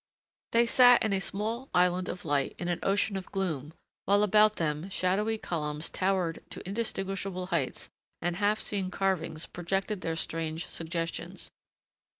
They sat in a small island of light in an ocean of gloom while about them shadowy columns towered to indistinguishable heights and half seen carvings projected their strange suggestions.